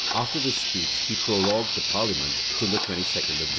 [] After this speech he prorogued the parliament till the twenty second of January.